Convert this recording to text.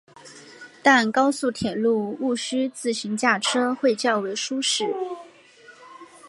但高速铁路毋须自行驾车会较为舒适。